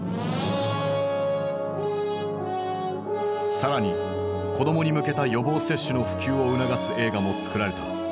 更に子供に向けた予防接種の普及を促す映画も作られた。